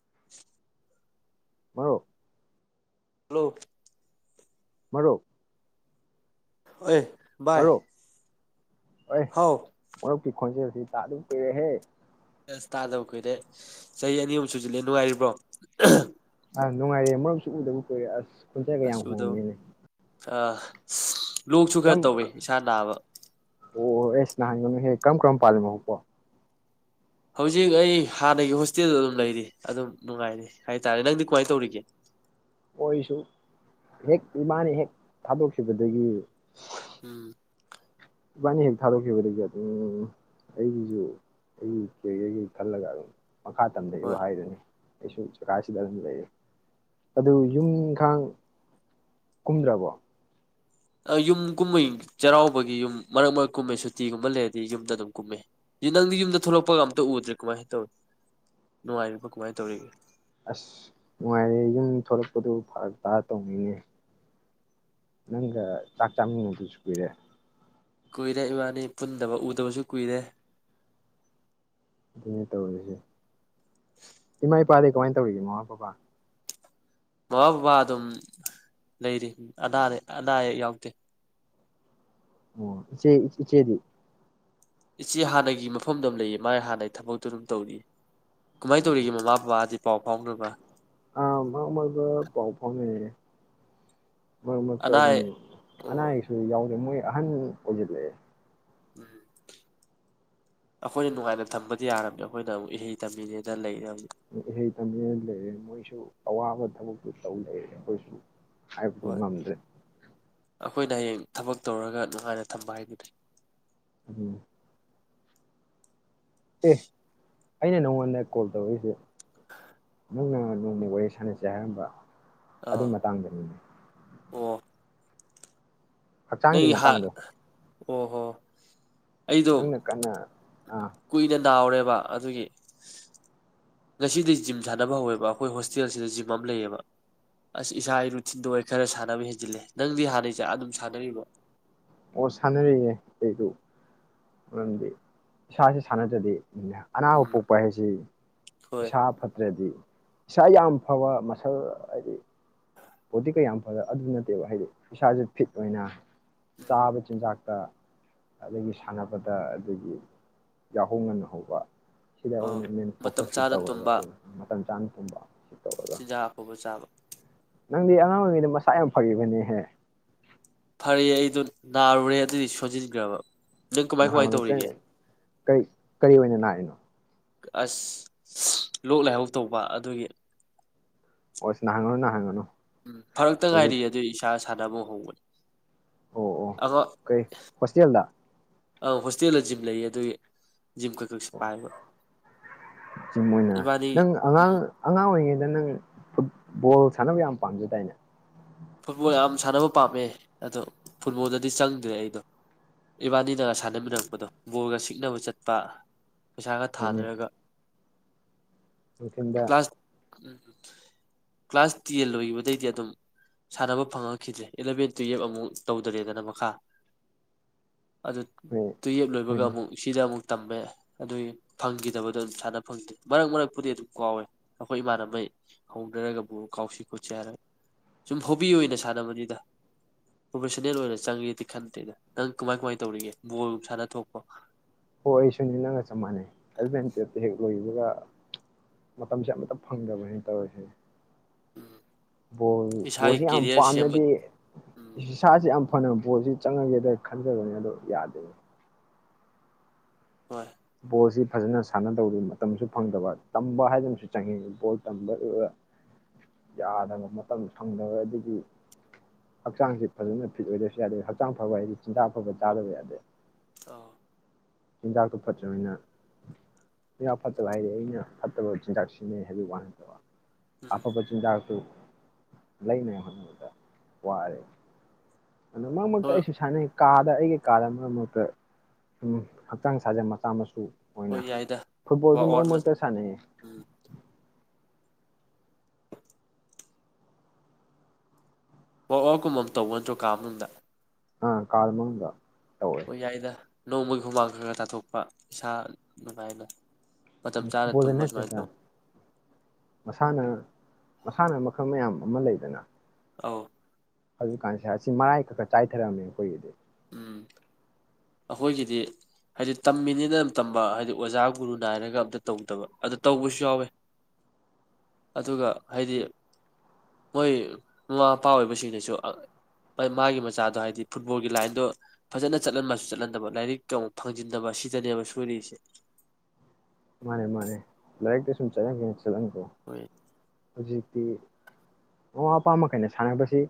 [inaudible] ꯃꯔꯨꯞ ꯍꯂꯣ ꯃꯔꯨꯞ ꯍꯣꯏ ꯕꯥꯏ ꯑꯩ ꯃꯔꯨꯄꯀꯤ ꯈꯣꯟꯖꯦꯜꯗ ꯇꯥꯗꯨꯝ ꯀꯔꯦ ꯍꯦ ꯑꯁ ꯇꯥꯗꯕ ꯀꯨꯏꯔꯦ ꯆꯍꯤ ꯑꯅꯤꯃꯨꯛ ꯁꯨꯖꯤꯜꯂꯦ ꯅꯨꯡꯉꯥꯏꯔꯤꯕ꯭ꯔꯣ ꯑꯥ ꯅꯨꯡꯉꯥꯏꯔꯦ ꯃꯔꯨꯝꯁꯨ ꯎꯗꯕ ꯀꯣꯏꯔꯦ ꯑꯁ ꯈꯣꯟꯖꯒ ꯌꯥꯝ ꯍꯣꯡꯃꯤꯅꯦ ꯇꯥ ꯂꯣꯛꯁꯨ ꯈꯔ ꯇꯧꯋꯦ ꯏꯁꯥ ꯅꯥꯕ ꯍ ꯀꯔꯝ ꯀꯔꯝ ꯄꯥꯜꯂꯤꯃꯣꯄꯣ ꯍꯧꯖꯤꯛ ꯑꯩ ꯍꯥꯟꯅꯒꯤ ꯍꯣꯁꯇꯦꯜꯗ ꯑꯗꯨꯝ ꯂꯩꯔꯤ ꯑꯗꯨꯝ ꯅꯨꯡꯉꯥꯏꯔꯤ ꯍꯥꯏꯇꯥꯔꯦ ꯅꯪꯗꯤ ꯀꯃꯥꯏꯅ ꯇꯧꯔꯤꯒꯦ ꯍꯣꯌ ꯑꯣꯏꯁꯨ ꯍꯦꯛ ꯏꯃꯥꯅ ꯍꯦꯛ ꯊꯥꯗꯣꯛꯈꯤꯕꯗꯒꯤ ꯎꯝ ꯏꯕꯥꯅꯤ ꯍꯦꯛ ꯊꯥꯗꯣꯛꯈꯤꯕꯗꯒꯤ ꯑꯗꯨꯝ ꯑꯩꯒꯤꯁꯨ ꯑꯩꯒꯤ ꯀꯩ ꯀꯩꯀꯩ ꯈꯜꯂꯒ ꯑꯗꯨꯝ ꯃꯈꯥ ꯇꯝꯗ ꯏꯕꯨ ꯍꯣꯏ ꯍꯥꯏꯔꯅꯤ ꯑꯩꯁꯨ ꯖꯒꯥꯁꯤꯗ ꯑꯗꯨꯝ ꯂꯩꯌꯦ ꯑꯗꯨ ꯌꯨꯝ ꯏꯪꯈꯥꯡ ꯀꯨꯝꯗ꯭ꯔꯕꯣ ꯌꯨꯝ ꯀꯨꯝꯃꯩ ꯆꯩꯔꯥꯎꯕꯒꯤ ꯌꯨꯝ ꯃꯔꯛ ꯃꯔꯛ ꯀꯨꯝꯃꯦ ꯁꯨꯇꯤꯒꯨꯝꯕ ꯂꯩꯔꯗꯤ ꯌꯨꯝꯗ ꯑꯗꯨꯝ ꯀꯨꯝꯃꯦ ꯅꯪꯗꯤ ꯌꯨꯝꯗ ꯊꯣꯛꯂꯛꯄꯒ ꯑꯝꯇ ꯎꯗ꯭ꯔꯦ ꯀꯃꯥꯏꯅ ꯇꯧꯏ ꯅꯨꯡꯉꯥꯏꯔꯤꯕ ꯀꯃꯥꯏꯅ ꯇꯧꯔꯤꯒꯦ ꯑꯁ ꯅꯨꯡꯉꯥꯏꯔꯦ ꯌꯨꯝ ꯊꯂꯛꯄꯗꯨ ꯐꯔ ꯇꯥꯔ ꯇꯧꯅꯤꯡꯅꯦ ꯅꯪꯒ ꯆꯥꯛ ꯆꯥꯃꯤꯗꯨꯁꯨꯨ ꯄꯤꯔꯦ ꯀꯨꯏꯔꯦ ꯏꯕꯥꯅꯤ ꯄꯨꯟꯗꯕ ꯎꯗꯕꯁꯨ ꯀꯨꯏꯔꯦ ꯑꯗꯨꯅꯦ ꯇꯧꯔꯔꯤꯁꯦ ꯏꯃꯥ ꯏꯄꯥꯗꯤ ꯀꯃꯥꯏꯅ ꯇꯧꯔꯤꯒꯦ ꯃꯃꯥ ꯄꯄꯥ ꯃꯃꯥ ꯕꯕꯥ ꯑꯗꯨꯝ ꯂꯩꯔꯤ ꯑꯗꯥꯗ ꯑꯗꯥ ꯑꯌꯦꯛ ꯌꯥꯎꯗꯦ ꯑꯣ ꯏꯆꯦ ꯏꯆꯦ ꯗꯤ ꯏꯆꯦ ꯍꯥꯟꯅꯒꯤ ꯃꯐꯝꯗꯨ ꯑꯗꯨꯝ ꯂꯩꯇꯦ ꯃꯥꯥꯏ ꯍꯥꯟꯅꯩ ꯊꯕꯛꯇꯨ ꯑꯗꯨꯝ ꯇꯧꯔꯤ ꯀꯃꯥꯏꯅ ꯇꯧꯔꯤꯒꯦ ꯃꯃꯥ ꯄꯄꯥꯗꯤ ꯄꯥꯑꯣ ꯐꯥꯎꯅꯕ ꯑ ꯃꯔꯛ ꯃꯔꯛꯇꯥ ꯄꯥꯎ ꯐꯥꯑꯣꯅꯩꯌꯦ ꯃꯔꯛ ꯃꯔꯛꯇꯥ ꯑꯅꯥ ꯑꯗꯨ ꯑꯌꯦꯛ ꯑꯅꯥ ꯑꯣ ꯑꯌꯦꯛꯁꯨ ꯌꯥꯑꯣ ꯃꯣꯏ ꯑꯍꯟ ꯑꯣꯏꯖꯤꯂꯥꯀꯥ ꯑꯩꯈꯣꯏꯅ ꯅꯨꯡꯉꯥꯏꯅ ꯊꯝꯕꯗꯤ ꯌꯥꯔꯝꯃꯦ ꯑꯩꯈꯣꯏꯅ ꯑꯃꯨꯛ ꯏꯍꯩ ꯇꯝꯃꯤꯅꯦꯅ ꯂꯩꯔꯝ ꯏꯍꯩ ꯇꯝꯖꯅ ꯂꯩꯔꯦ ꯃꯣꯏꯁꯨ ꯑꯋꯥꯕ ꯊꯕꯛꯇꯨ ꯇꯧ ꯂꯩꯔꯦ ꯑꯩꯈꯣꯏꯁꯨ ꯍꯥꯏꯕ ꯍꯣꯏ ꯉꯝꯗꯦ ꯑꯩꯈꯣꯏꯅ ꯍꯌꯦꯡ ꯊꯕꯛ ꯇꯧꯔꯒ ꯅꯨꯡꯉꯥꯏꯅ ꯊꯝꯕ ꯍꯥꯏꯗꯨꯅꯤ ꯑꯗꯨ ꯑꯦ ꯑꯩꯅ ꯅꯪꯉꯣꯟꯗ ꯀꯣꯜ ꯇꯧꯔꯛꯏꯁꯦ ꯅꯪꯅ ꯅꯣꯡꯃ ꯋꯥꯔꯤ ꯁꯥꯟꯅꯁꯦ ꯍꯥꯏꯔꯝꯕ ꯑꯥ ꯑꯗꯨꯒꯤ ꯃꯇꯥꯡꯗꯅꯤꯅꯦ ꯑꯣ ꯍꯛꯆꯥꯡꯒꯤ ꯅꯪꯒꯤ ꯍꯥ ꯃꯇꯥꯡꯗꯣ ꯑꯣ ꯍꯣ ꯑꯩꯗꯣ ꯅꯪꯅ ꯀꯅꯥ ꯄꯥ ꯑꯗꯨꯒꯤ ꯉꯁꯤꯗꯤ ꯖꯤꯝ ꯁꯥꯟꯅꯕ ꯍꯧꯋꯦꯕ ꯑꯩꯈꯣꯏ ꯍꯣꯁꯇꯦꯜꯁꯤꯗ ꯖꯤꯝ ꯑꯃ ꯂꯩꯌꯦꯕ ꯑꯁ ꯏꯁꯥꯒꯤ ꯔꯨꯊꯤꯟꯗ ꯑꯣꯏ ꯈꯔ ꯁꯥꯟꯅꯕ ꯍꯦꯟꯖꯤꯜꯂꯦ ꯅꯪꯗꯤ ꯍꯥꯟꯅꯩꯁꯦ ꯑꯗꯨꯝ ꯁꯥꯟꯅꯔꯤꯕ ꯑꯣ ꯁꯥꯟꯅꯔꯌꯦ ꯑꯩꯗꯨ ꯃꯔꯝꯗꯤ ꯏꯁꯥꯥꯁꯦ ꯁꯥꯟꯅꯗ꯭ꯔꯗꯤ ꯑꯅꯥꯕ ꯎꯝ ꯄꯣꯛꯄ ꯍꯥꯏꯁꯤ ꯍꯣꯏ ꯄꯩꯁꯥ ꯐꯠꯇ꯭ꯔꯗꯤ ꯏꯁꯥ ꯌꯥꯝ ꯐꯕ ꯃꯁꯜ ꯍꯥꯏꯗꯤ ꯄꯣꯠꯇꯤ ꯀꯩ ꯌꯥꯝ ꯐꯖ ꯑꯗꯨ ꯅꯠꯇꯦꯕ ꯍꯥꯏꯗꯤ ꯏꯁꯥꯥꯁꯦ ꯐꯤꯠ ꯑꯣꯏꯅ ꯎꯝ ꯆꯥꯕ ꯆꯤꯟ ꯆꯥꯛ ꯇ ꯑꯗꯒꯤ ꯁꯥꯟꯅꯕꯗ ꯑꯗꯨꯒꯤ ꯌꯥꯍꯧ ꯉꯅ ꯍꯧꯕ ꯁꯤꯗ ꯑꯥ ꯑꯣꯏꯅ ꯃꯦꯟ ꯃꯇꯝ ꯐꯣꯀꯁꯁꯤ ꯇꯧꯔꯒ ꯑꯗꯨ ꯃꯇꯝ ꯆꯥꯅ ꯀ ꯆꯤꯖꯥꯛꯐꯥꯎꯕ ꯆꯥꯕ ꯅꯪꯗꯤ ꯑꯉꯥꯡ ꯑꯣꯏꯔꯤꯉꯩꯗ ꯃꯁꯥ ꯌꯥꯝ ꯐꯈꯤꯕꯅꯦꯍꯦ ꯐꯔꯦ ꯑꯩꯗꯨꯣ ꯅꯥꯔꯨꯔꯦ ꯑꯗꯨꯗꯤ ꯁꯖꯤꯠꯒ꯭ꯔꯕ ꯅꯍꯥꯟ ꯀꯔꯤ ꯀꯔꯤ ꯀꯔꯤ ꯑꯣꯏꯅ ꯂꯥꯛꯏꯅꯣ ꯑꯁ ꯂꯣꯛ ꯂꯥꯏꯍꯧ ꯇꯧꯕ ꯑꯗꯨꯒꯤ ꯑꯣ ꯁꯤ ꯅꯍꯥꯡꯉꯅꯣ ꯅꯍꯥꯡꯪꯒꯅꯣ ꯎꯝ ꯐꯔꯛꯇ ꯉꯥꯏꯔꯤ ꯑꯗꯨꯏ ꯏꯁꯥꯁꯤ ꯁꯗꯕꯣ ꯍꯣꯒ ꯑꯣ ꯑꯣ ꯀꯩ ꯍꯣꯁꯇꯦꯜꯗ ꯑꯪ ꯍꯣꯁꯇꯦꯜꯗ ꯖꯤꯝ ꯂꯩꯌꯦ ꯑꯗꯨꯒꯤ ꯖꯤꯝ ꯈꯛ ꯈꯛꯁꯤ ꯄꯥꯏꯕ ꯆꯝ ꯑꯣꯏꯅ ꯏꯕꯥꯅꯤ ꯅꯪ ꯑꯉꯥꯡ ꯎꯝ ꯑꯉꯥꯡ ꯑꯣꯏꯔꯤꯉꯩꯗ ꯗ ꯅꯪ ꯐꯨꯠꯕꯣꯜ ꯁꯥꯟꯅꯕ ꯌꯥꯝ ꯄꯥꯝꯖꯗꯥꯏꯅꯦ ꯐꯨꯠꯕꯣꯜ ꯌꯥꯝ ꯁꯥꯟꯅꯕ ꯄꯥꯝꯃꯦ ꯑꯗꯣ ꯐꯨꯠꯕꯣꯜꯗꯗꯤ ꯆꯪꯗ꯭ꯔꯦ ꯑꯩꯗꯣ ꯏꯕꯥꯅꯤꯅꯒ ꯁꯥꯟꯅꯃꯤꯟꯅꯔꯛꯄꯗꯣ ꯕꯣꯜꯒ ꯛꯅꯕ ꯆꯠꯄ ꯄꯩꯁꯥꯒ ꯊꯥꯗꯔꯒ ꯑꯗꯨꯆꯗ ꯎꯝ ꯎꯝ ꯀ꯭ꯂꯥꯁ ꯇꯦꯟ ꯂꯣꯏꯈꯤꯕꯗꯩꯗꯤ ꯑꯗꯨꯝ ꯁꯥꯟꯅꯕ ꯐꯪꯉꯛꯈꯤꯗ꯭ꯔꯦ ꯏꯂꯚꯦꯟ ꯇꯨꯌꯦꯜꯕ ꯑꯃꯨꯛ ꯇꯧꯗꯔꯦꯗꯅ ꯃꯈꯥ ꯑꯗꯨ ꯍꯣꯏ ꯇꯨꯌꯦꯞ ꯂꯣꯏꯕꯒ ꯍꯣꯏꯅꯦ ꯑꯃꯨꯛ ꯁꯤꯗ ꯑꯃꯨꯛ ꯇꯝꯃꯦ ꯑꯗꯨꯒꯤ ꯐꯪꯈꯤꯗꯕꯗꯣ ꯑꯗꯨꯝ ꯁꯥꯟꯅ ꯐꯪꯗꯦ ꯃꯔꯛ ꯃꯔꯛꯄꯨꯗꯤ ꯑꯗꯨꯝ ꯀꯥꯎꯋꯦ ꯑꯩꯈꯣꯏ ꯏꯃꯥꯟꯅꯕꯩ ꯍꯧꯅꯔꯒꯕꯨ ꯀꯥꯎꯁꯤ ꯈꯣꯠꯁꯤ ꯍꯥꯏꯔꯒ ꯁꯨꯝ ꯍꯣꯕꯤ ꯑꯣꯏꯅ ꯁꯥꯟꯅꯕꯅꯤꯗ ꯄ꯭ꯔꯣꯐꯦꯁꯟꯅꯜ ꯑꯣꯏꯅ ꯆꯪꯉꯦꯗꯤ ꯈꯟꯗꯦꯗ ꯅꯪ ꯀꯃꯥꯏ ꯀꯃꯥꯏꯅ ꯇꯧꯔꯤꯒꯦ ꯕꯣꯜꯒꯨꯝ ꯁꯥꯟꯅ ꯊꯣꯛꯄ ꯍꯣꯏ ꯑꯩ ꯁꯨꯅꯤ ꯅꯪꯒ ꯆꯞ ꯃꯥꯟꯅꯩ ꯍꯦꯜꯃꯦꯠ ꯇꯦꯞꯇ ꯍꯦꯛ ꯂꯣꯏꯕꯒ ꯃꯇꯝꯁꯦ ꯑꯃꯇ ꯐꯪꯗꯕ ꯍꯥꯏꯅ ꯇꯧꯔꯤꯁꯦ ꯎꯝ ꯕꯣꯜ ꯏꯁꯥꯒꯤ ꯕꯣꯜꯁꯦ ꯌꯥꯝ ꯀꯦꯔꯤꯌꯔ ꯁꯦꯝꯕ ꯄꯥꯝꯅꯗꯤ ꯎꯝ ꯏꯁ ꯏꯁꯁꯤ ꯌꯥꯝ ꯐꯅ ꯣꯜꯁꯤ ꯆꯪꯉꯒꯦꯗ ꯈꯟꯖꯕꯅꯤ ꯑꯗꯣ ꯌꯥꯗꯣꯏꯅꯦ ꯍꯣꯏ ꯕꯣꯜꯁꯤ ꯐꯖꯅ ꯁꯥꯟꯅꯗꯧꯗ ꯃꯇꯝꯁꯨ ꯐꯪꯗꯕ ꯇꯝꯕ ꯍꯥꯏꯗꯅꯁꯨ ꯆꯪꯉꯤ ꯕꯣꯜ ꯇꯝꯕꯗꯨ ꯌꯥꯗꯕ ꯃꯇꯝ ꯐꯪꯗꯕ ꯑꯗꯒꯤ ꯍꯛꯆꯥꯡꯁꯤ ꯐꯖꯅ ꯐꯤꯠ ꯑꯣꯏꯗꯁꯨ ꯌꯥꯗꯦ ꯍꯛꯆꯥꯡ ꯐꯕ ꯍꯥꯏꯗꯤ ꯆꯤꯟꯖꯥꯛ ꯐꯕ ꯆꯥꯗꯕ ꯌꯥꯗꯦ ꯇꯣ ꯆꯤꯟꯖꯥꯛꯇꯨ ꯐꯠꯇꯅꯤꯅ ꯐꯠꯇꯕ ꯍꯥꯏꯔ ꯑꯩꯅ ꯐꯠꯇꯕ ꯆꯤꯟꯖꯥꯛ ꯁꯤꯖꯤꯟꯅꯩ ꯍꯥꯏꯕꯛ ꯋꯥ ꯅꯠꯇꯅꯥ ꯎꯝ ꯑꯐꯥꯕ ꯆꯤꯟꯖꯥꯛꯇꯨ ꯂꯩꯅꯦꯉꯥꯢ ꯍꯣꯠꯅꯕꯗꯥ ꯋꯥꯔꯦ ꯑꯗ ꯃꯔꯛ ꯃꯔꯛꯇ ꯍꯣꯏ ꯑꯩꯁꯨ ꯁꯥꯟꯅꯩ꯫ ꯀꯥꯗ ꯑꯩꯒꯤ ꯀꯥꯗ ꯃꯔꯛ ꯃꯔꯛꯇ ꯍꯛꯆꯥꯡ ꯁꯥꯖꯦꯟ ꯃꯆꯥ ꯃꯁꯨ ꯑꯣꯏꯅ ꯍꯣꯏ ꯌꯥꯏꯗ ꯐꯨꯠꯕꯣꯜꯁꯨ ꯋꯥꯛ ꯑꯥꯎꯠ ꯃꯔꯛ ꯃꯔꯛꯇ ꯁꯥꯟꯅꯩꯌꯦ ꯎꯝ ꯋꯥꯛ ꯑꯥꯎꯇ ꯀꯨꯝꯕꯝ ꯇꯧꯒ ꯅꯠꯇ꯭ꯔꯣ ꯀꯥ ꯃꯅꯨꯡꯗ ꯑ ꯀꯥꯂꯃꯅꯨꯡ ꯗ ꯍꯣꯌ ꯌꯥꯏꯗ ꯅꯣꯡꯃꯒꯤ ꯍꯨꯃꯥꯡ ꯈꯔ ꯈ ꯇꯥꯊꯣꯛꯄ ꯏꯁꯥ ꯅꯨꯡꯉꯥꯏꯅ ꯃꯇꯝ ꯐꯨꯠ ꯆꯥꯅ ꯕꯣꯜ ꯗꯥ ꯇꯨꯝꯕ ꯁꯨꯃꯥꯏꯅ ꯅꯠꯇꯦꯗꯥ ꯇꯧ ꯃꯁꯥꯟꯅꯥ ꯃꯁꯥꯟꯅ ꯃꯈꯜ ꯃꯌꯥꯝ ꯑꯃ ꯂꯩꯗꯅ ꯑ ꯍꯧꯖꯤꯛꯀꯥꯟꯁꯤꯦ ꯑꯁꯤ ꯃꯔꯥꯏ ꯈꯛ ꯈ ꯆꯥꯏꯊꯔꯝꯃꯦ ꯑꯩꯈꯣꯏꯒꯤꯗꯤ ꯎꯝ ꯑꯩꯈꯣꯏꯒꯤꯗꯤ ꯍꯥꯏꯗꯤ ꯇꯝꯃꯤꯅꯤꯅ ꯑꯝ ꯇꯝꯕ ꯍꯥꯏꯗꯤ ꯑꯣꯖꯥ ꯒꯨꯔꯨ ꯅꯥꯏꯔꯒ ꯑꯝꯇ ꯇꯧꯗꯕ ꯑꯗꯨ ꯇꯧꯕꯁꯨ ꯌꯥꯎꯋꯦ ꯑꯗꯨꯒ ꯍꯥꯏꯗꯤ ꯃꯣꯏ ꯃꯃꯥ ꯃꯄꯥ ꯑꯣꯏꯕꯁꯤꯡꯅꯁꯨ ꯃꯥꯒꯤ ꯃꯆꯥꯗꯣ ꯍꯥꯏꯗꯤ ꯐꯨꯠꯕꯣꯜꯒꯤ ꯂꯥꯏꯟ ꯑꯗꯣ ꯐꯖꯅ ꯆꯠꯍꯟ ꯃꯥꯁꯨ ꯆꯠꯍꯟꯗꯕ ꯂꯥꯏꯔꯤꯛ ꯑꯃꯨꯛ ꯐꯪꯖꯤꯟꯗꯕ ꯁꯤꯗꯅꯦꯕ ꯁꯨꯔꯤꯁꯦ ꯃꯥꯅꯦ ꯃꯥꯅꯦ ꯂꯥꯏꯛ ꯇ ꯁ ꯆ ꯀ ꯆꯂꯅꯤꯡꯕ ꯍꯣꯏ ꯍꯧꯖꯤꯛꯇꯤ ꯃꯃꯥ ꯃꯄꯥ ꯃꯈꯩꯅ ꯁꯥꯟꯅꯕꯁꯤ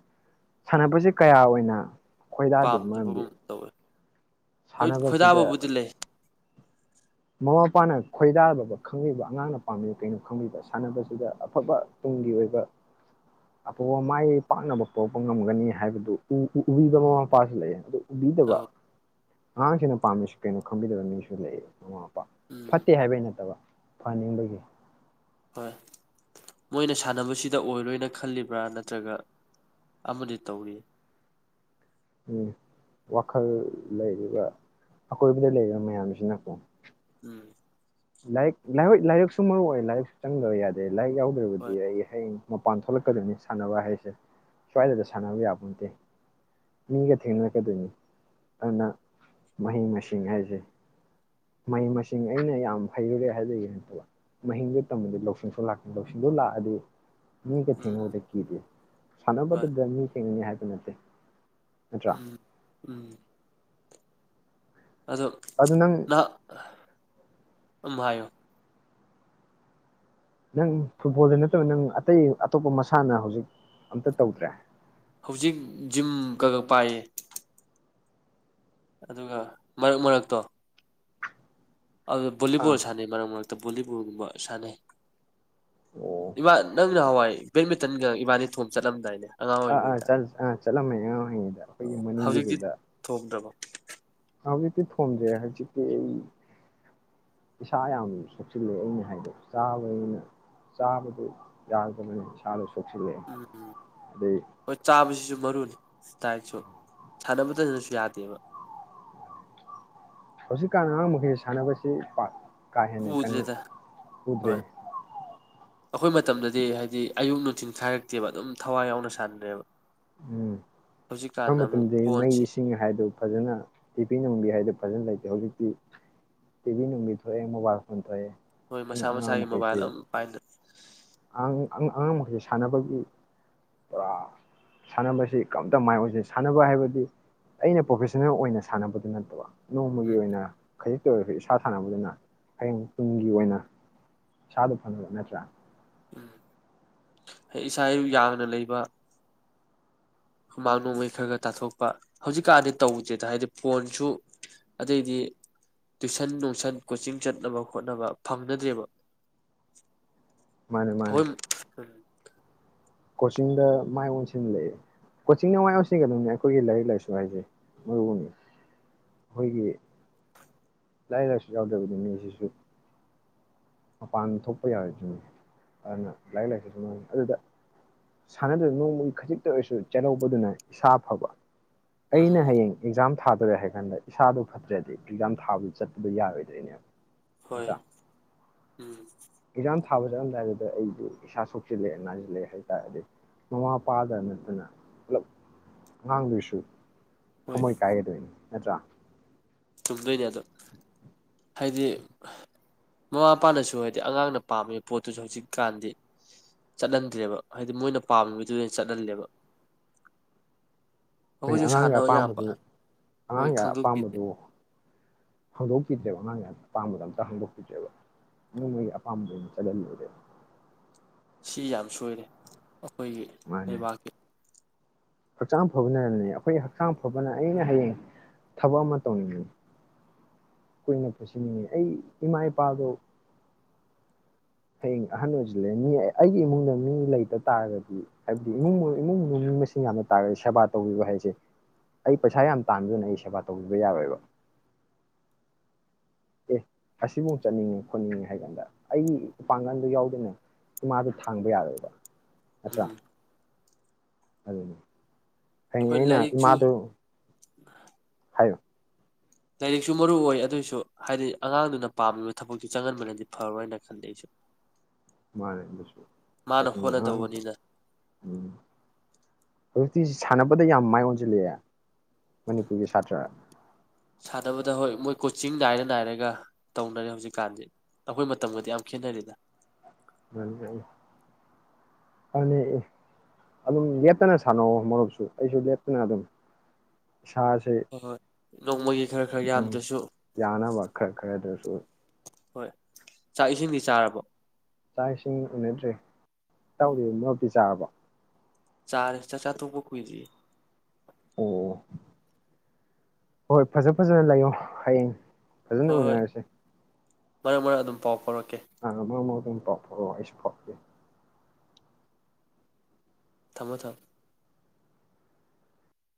ꯁꯥꯟꯅꯕꯁꯤ ꯀꯌꯥ ꯑꯣꯏꯅ ꯈꯣꯏꯗꯥꯗꯦ ꯃꯔꯝꯗꯤ ꯄꯥꯝꯗꯕꯒꯨꯝ ꯇꯧꯋꯦ ꯍꯣꯏ ꯁꯥꯟꯅꯕꯁꯤꯗ ꯈꯣꯏꯗꯥꯕꯕꯨꯗꯤ ꯂꯩ ꯃꯃꯥ ꯃꯄꯥꯅ ꯈꯣꯏꯗꯥꯕ ꯈꯪꯕꯤꯕ ꯑꯉꯥꯡꯅ ꯄꯥꯝꯕꯤꯕ ꯀꯩꯅꯣ ꯈꯪꯕꯤꯕ ꯁꯥꯟꯅꯕꯁꯤꯗ ꯑꯐꯕ ꯇꯨꯡꯒꯤ ꯑꯣꯏꯕ ꯑꯐꯕ ꯃꯥꯏ ꯄꯥꯛꯅꯕ ꯄꯣꯛꯄ ꯉꯝꯒꯅꯤ ꯍꯥꯏꯕꯗꯨ ꯎꯕꯤꯕ ꯃꯃꯥ ꯃꯄꯥꯁꯨ ꯂꯩꯌꯦ ꯑꯗꯨ ꯎꯕꯤꯗꯕ ꯑꯧ ꯑꯉꯥꯡꯁꯤꯡꯅ ꯄꯥꯝꯃꯤꯁꯤ ꯀꯩꯅꯣ ꯈꯪꯕꯤꯗꯕ ꯃꯤꯁꯨ ꯂꯩꯌꯦ ꯑꯣ ꯎꯝ ꯐꯠꯇꯦ ꯍꯥꯏꯕꯩ ꯅꯠꯇꯕ ꯐꯥꯅꯤꯡꯕꯒꯤ ꯍꯣꯏ ꯃꯣꯏꯅ ꯁꯥꯟꯅꯕꯁꯤꯗ ꯑꯣꯏꯔꯣꯏꯅ ꯈꯜꯂꯤꯕ꯭ꯔꯥ ꯅꯠꯇ꯭ꯔꯒ ꯑꯃꯗꯤ ꯇꯧꯔꯤ ꯎꯝ ꯋꯥꯈꯜ ꯂꯩꯔꯤꯕ ꯑꯀꯣꯏꯕꯗ ꯂꯩꯔꯤꯕ ꯃꯌꯥꯝꯁꯤꯅꯀꯣ ꯎꯝ ꯂꯥꯏꯔꯤꯛ ꯂꯥꯏ ꯂꯥꯏꯔꯤꯛꯁꯨ ꯃꯔꯨ ꯑꯣꯏ ꯂꯥꯏꯔꯤꯛꯁꯨ ꯆꯪꯗꯕ ꯌꯥꯗꯦ ꯂꯥꯏꯔꯤꯛ ꯍꯣꯏ ꯌꯥꯎꯗ꯭ꯔꯕꯗꯤ ꯑꯩ ꯍꯌꯦꯡ ꯃꯄꯥꯟ ꯊꯣꯛꯂꯛꯀꯗꯣꯏꯅꯤ ꯁꯥꯟꯅꯕ ꯍꯥꯏꯁꯦ ꯁ꯭ꯋꯥꯏꯗꯗ ꯁꯥꯟꯅꯕ ꯌꯥꯕ ꯅꯠꯇꯦ ꯃꯤꯒ ꯊꯦꯡꯅꯔꯛꯀꯗꯣꯏꯅꯤ ꯑꯗꯨꯅ ꯃꯍꯩ ꯃꯁꯤꯡ ꯍꯥꯏꯁꯦ ꯃꯍꯩ ꯃꯁꯤꯡ ꯑꯩꯅ ꯌꯥꯝ ꯍꯩꯔꯨꯔꯦ ꯍꯥꯏꯗ ꯌꯦꯩꯅ ꯇꯧꯕ ꯃꯍꯤꯡꯗꯣ ꯇꯝꯝꯕꯗꯤ ꯂꯧꯁꯤꯡꯁꯨ ꯂꯥꯛꯀꯅꯤ ꯂꯧꯁꯤꯡꯗꯣ ꯂꯥꯛꯑꯗꯤ ꯃꯤ ꯀ ꯎꯝ ꯊꯦꯡꯅꯕꯥꯗ ꯀꯤꯗꯦ ꯍꯣꯏ ꯁꯥꯟꯕꯗ ꯗ ꯃꯤ ꯊꯤꯡꯅꯤ ꯍꯥꯏꯕ ꯅꯠꯇꯦ ꯅꯠꯇ꯭ꯔꯥ ꯎꯝ ꯎꯝ ꯑꯗꯣ ꯑꯗꯨ ꯅꯪ ꯅ ꯑꯗꯨ ꯍꯥꯏꯣ ꯅꯪ ꯐꯨꯠꯕꯣꯜꯗ ꯅꯠꯇꯕ ꯅꯪ ꯑꯇꯩ ꯑꯇꯣꯞꯄ ꯃꯁꯥꯟꯅ ꯍꯧꯖꯤꯛ ꯑꯝꯇ ꯇꯧꯗ꯭ꯔꯦ ꯍꯧꯖꯤꯛ ꯖꯤꯝ ꯀꯒ ꯄꯥꯏꯌꯦ ꯑꯗꯨꯒ ꯃꯔꯛ ꯃꯔꯛꯇꯣ ꯑ ꯑꯥ ꯣꯂꯤꯕꯨꯣꯜꯅꯦ ꯃ ꯕꯣꯂꯤꯕꯣꯜꯒꯨꯝꯕ ꯑꯣ ꯁꯥꯟꯅꯩꯃꯥ ꯅꯪꯅꯍꯥꯟꯋꯥꯏ ꯕꯦꯠꯃꯤꯟꯇꯟꯒ ꯏꯕꯥꯅꯤ ꯊꯣꯝ ꯆꯠꯂꯝꯗꯥꯏꯅꯦ꯫ ꯑꯉꯥꯡ ꯑꯥ ꯑꯥ ꯑꯣꯏꯔꯤꯉꯩꯗ ꯑꯥ ꯆꯠꯂꯝꯃꯦ ꯑꯉꯥꯡ ꯑꯣꯏꯔꯤꯉꯩꯗ ꯑꯩꯈꯣꯏꯒꯤ ꯍꯧꯖꯤꯛꯇꯤ ꯃꯅꯤꯡꯒꯤꯗꯨꯗ ꯊꯣꯝꯗ꯭ꯔꯕꯣ ꯍꯧꯖꯤꯛꯇꯤ ꯊꯣꯝꯗꯔꯦ ꯍꯧꯖꯤꯛꯇꯤ ꯑꯩ ꯏꯁꯥ ꯌꯥꯝ ꯁꯣꯛꯆꯤꯜꯂꯦ ꯑꯩꯅ ꯍꯥꯏꯗ ꯆꯥꯕ ꯑꯩꯅ ꯆꯥꯕꯗꯨ ꯌꯥꯗꯕꯅꯦ ꯏꯁꯥꯗꯁꯨ ꯁꯣꯛꯆꯤꯜꯂꯦ ꯎꯝ ꯑꯗꯩ ꯍꯣꯏ ꯆꯥꯕꯁꯤꯁꯨ ꯃꯔꯨꯅꯤ ꯗꯥꯏꯠꯁꯨ ꯁꯥꯟꯅꯕꯗꯅꯁꯨ ꯌꯥꯗꯦꯕ ꯍꯧꯖꯤꯛꯀꯥꯟ ꯑꯉꯥꯡ ꯃꯈꯩ ꯁꯥꯟꯅꯕꯁꯤ ꯄꯛ ꯎꯗ꯭ꯔꯦꯗ ꯍꯣꯏ ꯑꯩꯈꯣꯏ ꯃꯇꯝꯗꯗꯤ ꯍꯥꯏꯗꯤ ꯑꯌꯨꯛ ꯅꯨꯡꯊꯤꯟ ꯈꯥꯏꯔꯛꯇꯦꯕ ꯑꯗꯨꯝ ꯊꯋꯥꯏ ꯌꯥꯎꯅ ꯁꯥꯟꯅ꯭ꯔꯛꯕ꯫ ꯎꯝ ꯑꯩꯈꯣꯏ ꯃꯇꯝꯗ ꯃꯩ ꯐꯣꯟꯁꯤ ꯏꯁꯤꯡ ꯍꯥꯏꯗꯨꯣ ꯐꯖꯅ ꯇꯤꯕꯤ ꯅꯨꯡꯕꯤ ꯍꯥꯏꯗꯣ ꯐꯖꯅ ꯂꯩꯇꯦ꯫ ꯍꯧꯖꯤꯛꯇꯤ ꯇꯤꯚꯤ ꯅꯨꯡꯕꯤ ꯊꯣꯛꯑꯦ ꯃꯣꯕꯥꯏꯜ ꯐꯣꯟ ꯊꯣꯛꯑꯦ ꯍꯣꯏ ꯁꯤꯅ ꯃꯁꯥ ꯃꯁꯥꯒꯤ ꯃꯣꯕꯥꯏꯜ ꯑꯃꯝ ꯄꯥꯏꯔ ꯑꯥꯡ ꯑꯉꯥꯡ ꯃꯈꯩ ꯁꯥꯟꯅꯕꯒꯤ ꯑꯥ ꯁꯥꯟꯅꯕꯁꯤ ꯀꯝꯇ ꯃꯥꯏ ꯑꯣꯏꯖꯩ ꯁꯥꯟꯅꯕ ꯍꯥꯏꯕꯗꯤ ꯑꯩꯅ ꯄ꯭ꯔꯣꯐꯦꯁꯟꯅꯜ ꯑꯣꯏꯅ ꯁꯥꯟꯅꯕꯗꯨ ꯅꯠꯇꯕ꯫ ꯅꯣꯡꯃꯒꯤ ꯎꯝ ꯑꯣꯏꯅ ꯈꯥꯖꯛ ꯑꯣꯏꯔ ꯏꯁꯥ ꯁꯥꯟꯅꯕꯗꯨꯅ ꯍꯌꯦꯡ ꯇꯨꯡꯒꯤ ꯑꯣꯏꯅ ꯏꯁꯥꯗ ꯐꯅꯕ ꯅꯠꯇ꯭ꯔꯥ ꯎꯝ ꯑꯩ ꯏꯁꯥ ꯏꯌꯨ ꯌꯥꯡꯅ ꯂꯩꯕ ꯍꯨꯃꯥꯡ ꯅꯣꯡꯃꯩ ꯈꯔ ꯈꯔ ꯇꯥꯊꯣꯛꯄ ꯍꯧꯖꯤꯛꯀꯥꯟꯗꯤ ꯇꯧꯗꯦꯗ ꯍꯥꯏꯗꯤ ꯐꯣꯟꯁꯨ ꯑꯗꯩꯗꯤ ꯇꯨꯏꯁꯟ ꯅꯨꯡꯁꯟ ꯀꯣꯆꯤꯡ ꯆꯠꯅꯕ ꯈꯣꯠꯅꯕ ꯐꯪꯅꯗ꯭ꯔꯦꯕ ꯃꯥꯅꯦ ꯐꯎ ꯃꯥꯅꯦ ꯀꯣꯆꯤꯡꯗ ꯃꯥꯏ ꯑꯣꯟꯁꯤꯜꯂꯛꯑꯦ ꯀꯣꯆꯤꯡꯗ ꯃꯥꯏ ꯑꯣꯟꯁꯤꯟꯒꯗꯕꯅꯦ ꯑꯩꯈꯣꯏꯒꯤ ꯂꯥꯏꯔꯤꯛ ꯂꯥꯏꯁꯨ ꯍꯥꯏꯁꯦ ꯃꯔꯨꯅꯤ ꯑꯩꯈꯣꯏꯒꯤ ꯂꯥꯏꯔꯤꯛ ꯂꯥꯏꯁꯨ ꯌꯥꯎꯗ꯭ꯔꯕꯗꯤ ꯃꯤꯁꯤꯁꯨ ꯃꯄꯥꯟ ꯊꯣꯛꯄ ꯌꯥꯔꯣꯏꯗꯔꯤꯅꯦ ꯑꯗꯨꯅ ꯂꯥꯏꯔꯤꯛ ꯂꯥꯏꯁꯨ ꯑꯗꯨꯗ ꯁꯥꯟꯅꯗꯕ ꯅꯣꯡꯃꯒꯤ ꯈꯖꯤꯛꯇ ꯑꯣꯏꯔꯁꯨ ꯆꯦꯜꯍꯧꯕꯗꯨꯅ ꯏꯁꯥ ꯐꯕ ꯑꯩꯅ ꯎꯝ ꯍꯌꯦꯡ ꯑꯦꯛꯖꯥꯝ ꯊꯥꯗꯣꯔꯦ ꯍꯥꯏ ꯀꯥꯟꯗ ꯏꯁꯥꯗꯣ ꯐꯠꯇ꯭ꯔꯦꯗꯤ ꯑꯦꯛꯖꯥꯝ ꯊꯥꯕꯗꯨ ꯆꯠꯄꯗ ꯌꯥꯔꯣꯏꯗꯣꯏꯅꯦꯕ ꯅꯠꯇ꯭ꯔꯥ ꯍꯣꯏ ꯎꯝ ꯑꯦꯛꯖꯥꯝ ꯊꯥꯕ ꯆꯠꯂꯝꯗꯥꯏꯗꯨꯗ ꯑꯩꯗꯤ ꯏꯁꯩꯥ ꯁꯣꯛꯆꯤꯜꯂꯛꯑꯦ ꯅꯥꯏꯁꯤꯜꯂꯛꯑꯦ ꯍꯥꯏ ꯇꯥꯔꯦꯗꯤ ꯃꯃꯥ ꯃꯄꯥꯗ ꯅꯠꯇꯅ ꯄꯨꯂꯞ ꯑꯉꯥꯡꯗꯨꯁꯨ ꯍꯣꯏ ꯊꯥꯃꯣꯏ ꯀꯥꯒꯗꯣꯏꯅꯤ꯫ ꯅꯠꯇ꯭ꯔꯥ ꯆꯨꯝꯗꯣꯏꯅꯦꯗꯣ꯫ ꯍꯥꯏꯗꯤ ꯃꯃꯥ ꯃꯄꯥꯅꯁꯨ ꯍꯥꯏꯗꯤ ꯑꯉꯥꯡꯅ ꯄꯥꯝꯃꯤꯕ ꯄꯣꯠꯇꯨꯁꯨ ꯍꯧꯖꯤꯛꯀꯥꯟꯗꯤ ꯆꯠꯍꯟꯗ꯭ꯔꯦꯕ ꯍꯥꯏꯗꯤ ꯃꯣꯏꯅ ꯄꯥꯝꯃꯤꯕꯗꯨꯗ ꯑꯣꯏꯅ ꯆꯠꯍꯜꯂꯦꯕ ꯫ ꯑꯩꯈꯣꯏ ꯑꯉꯥꯡꯒꯤ ꯑꯄꯥꯝꯕꯗꯨ ꯍꯣꯏ ꯑꯉꯥꯡꯒꯤ ꯈꯪꯗꯣꯛꯄꯤꯗꯦ ꯑꯄꯥꯝꯕꯗꯨ ꯍꯥꯡꯗꯣꯛꯄꯤꯗ꯭ꯔꯦꯕ ꯑꯉꯥꯡ ꯑꯄꯥꯝꯕꯗ ꯑꯝꯇ ꯍꯥꯡꯗꯣꯛꯄꯤꯗ꯭ꯔꯦꯕ ꯑꯗꯨꯝ ꯃꯣꯏꯒꯤ ꯑꯄꯥꯝꯕꯗ ꯑꯣꯏꯅ ꯆꯜꯍꯜꯂꯨꯔꯦꯕ ꯁꯤ ꯌꯥꯝ ꯁꯣꯏꯔꯦ ꯑꯩꯈꯣꯏꯒꯤ ꯃꯥꯅꯦ ꯂꯩꯕꯥꯛꯀꯤ ꯍꯛꯆꯥꯡ ꯐꯕꯅꯅꯦ ꯑꯩꯈꯣꯏ ꯍꯛꯆꯥꯡ ꯐꯕꯅ ꯑꯩꯅ ꯍꯌꯦꯡ ꯊꯕꯛ ꯑꯃ ꯇꯧꯅꯤꯡꯉꯦ꯫ ꯀꯨꯏꯅ ꯄꯨꯁꯤꯟꯅꯤꯡꯉꯤ ꯑꯩ ꯏꯃꯥ ꯏꯄꯥꯗꯣ ꯍꯌꯦꯡ ꯑꯍꯟ ꯑꯣꯏꯁꯤꯜꯂ ꯃꯤ ꯑꯩꯒꯤ ꯏꯃꯨꯡꯗ ꯃꯤ ꯂꯩꯇ ꯇꯥꯔꯒꯗꯤ ꯍꯥꯏꯕꯗꯤ ꯏꯃꯨꯡ ꯏꯃꯨꯡ ꯃꯤ ꯃꯁꯤꯡ ꯌꯥꯝꯅ ꯇꯥꯔꯒꯗꯤ ꯁꯦꯕꯥ ꯇꯧꯕꯤꯕ ꯍꯥꯏꯁꯦ ꯑꯩ ꯄꯩꯁꯥ ꯌꯥꯝ ꯇꯥꯟꯕꯗꯨꯅ ꯑꯩ ꯁꯦꯕꯥ ꯇꯧꯕꯤꯕ ꯌꯥꯔꯣꯏꯕ꯫ ꯑꯦ ꯑꯁꯤꯐꯧ ꯆꯠꯅꯤꯡꯉꯦ ꯈꯣꯠꯅꯤꯡꯉꯦ ꯍꯥꯏ ꯀꯥꯟꯗ ꯑꯩꯒꯤ ꯏꯄꯥꯡꯒꯜꯗꯨ ꯌꯥꯎꯗꯅ ꯏꯃꯥꯗꯨ ꯊꯥꯡꯕ ꯌꯥꯔꯣꯏꯕ꯫ ꯅꯠꯇ꯭ꯔ ꯎꯝ ꯑꯗꯨꯗꯗꯤ ꯍꯩ ꯍꯣꯏ ꯑꯩꯅ ꯂꯥꯏꯔꯤꯛꯁꯨ ꯏꯃꯥꯗꯨ ꯍꯥꯏꯌꯨ ꯂꯥꯏꯔꯤꯛꯁꯨ ꯃꯔꯨ ꯑꯣꯏ ꯑꯗꯨꯑꯣꯏꯁꯨ ꯍꯥꯏꯗꯤ ꯑꯉꯥꯡꯗꯨꯅ ꯄꯥꯝꯃꯤꯕ ꯊꯕꯛꯇ ꯆꯪꯍꯟꯕꯅꯗꯤ ꯐꯔꯣꯏꯅ ꯈꯟꯜꯂꯤꯦ ꯑꯩꯁꯨ ꯃꯥꯅꯦꯁꯨꯁꯨ ꯃꯥꯅ ꯎꯝ ꯍ ꯍꯣꯠꯅꯗꯧꯕꯅꯤꯅ ꯁꯇꯤꯁꯤ ꯁꯥꯟꯅꯕꯗ ꯌꯥꯝ ꯃꯥꯏ ꯑꯣꯟꯁꯤꯜꯂꯛꯑꯦ ꯃꯅꯤꯄꯨꯔꯒꯤ ꯁꯥꯇ꯭ꯔ ꯁꯥꯟꯅꯕꯗ ꯍꯣꯏ ꯃꯣꯏ ꯀꯣꯆꯤꯡ ꯅꯥꯏꯔ ꯅꯥꯏꯔꯒ ꯇꯧꯅꯔꯦ ꯍꯧꯖꯤꯛꯀꯥꯟꯁꯦ ꯑꯩꯈꯣꯏ ꯃꯇꯝꯒꯗꯤ ꯌꯥꯝ ꯈꯦꯠꯅꯔꯤꯗ ꯅꯤ ꯐꯅꯤ ꯑꯗꯨꯝ ꯂꯦꯇꯅ ꯁꯥꯟꯅꯧꯑꯣ ꯃꯔꯨꯞꯁꯨ ꯑꯩꯁꯨ ꯂꯦꯞꯇꯅ ꯑꯗꯨꯝ ꯏꯁꯁꯤ ꯍꯣꯏ ꯍꯣꯏ ꯅꯣꯡꯃꯒꯤ ꯈꯔ ꯈꯔ ꯌꯥꯝꯗ꯭ꯔꯁꯨ ꯌꯥꯅꯕ ꯈꯔ ꯈꯔꯗꯁꯨ ꯍꯣꯏ ꯆꯥꯛ ꯏꯁꯤꯡꯗꯤ ꯆꯥꯔꯕꯣ ꯆꯥꯛ ꯏꯁꯤꯡ ꯎꯅꯗ꯭ꯔꯦ ꯇꯧꯗ ꯃꯛꯇꯤ ꯆꯥꯕ ꯆꯥ ꯆꯥ ꯆꯥ ꯇꯄꯛ ꯀꯏꯗ ꯑꯣ ꯍꯣꯏ ꯐꯖ ꯐꯖꯅ ꯂꯩꯌꯣ ꯍꯌꯦꯡ ꯐꯖꯟ ꯍꯣꯏ ꯍꯣꯏ ꯎꯅꯦꯦ ꯃꯔꯛ ꯃꯔꯛ ꯑꯗꯨꯝ ꯄꯥꯎ ꯐꯥꯎꯔꯛꯀꯦ ꯑ ꯏꯤꯡ ꯄꯄ ꯋꯥꯥꯏ ꯏꯁ ꯄꯞꯀꯤ ꯊꯝꯃꯣ ꯊꯝ